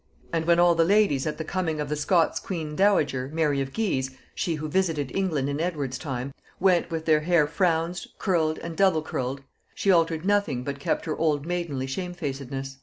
And when all the ladies at the coming of the Scots queen dowager, Mary of Guise, (she who visited England in Edward's time,) went with their hair frownsed, curled, and doublecurled, she altered nothing but kept her old maidenly shamefacedness."